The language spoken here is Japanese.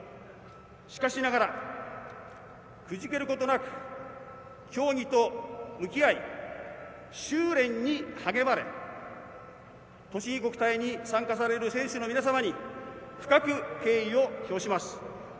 しかしながら、くじけることなく競技と向き合い修練に励まれとちぎ国体に参加される選手の皆様に深く敬意を表します。